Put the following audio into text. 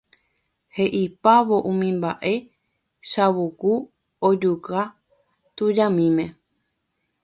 He'ipávo umi mba'e Chavuku ojuka tujamíme.